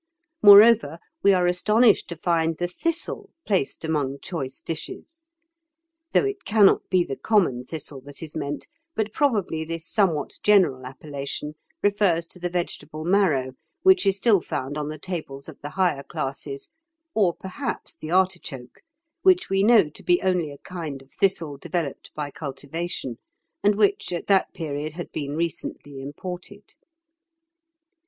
Moreover, we are astonished to find the thistle placed amongst choice dishes; though it cannot be the common thistle that is meant, but probably this somewhat general appellation refers to the vegetable marrow, which is still found on the tables of the higher classes, or perhaps the artichoke, which we know to be only a kind of thistle developed by cultivation, and which at that period had been recently imported.